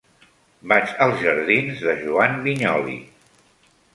Vaig als jardins de Joan Vinyoli.